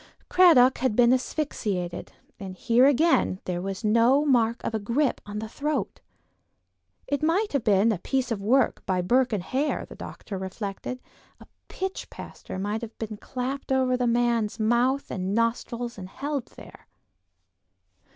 Cradock had been asphyxiated; and here again there was no mark of a grip on the throat. It might have been a piece of work by Burke and Hare, the doctor reflected; a pitch plaster might have been clapped over the man's mouth and nostrils and held there.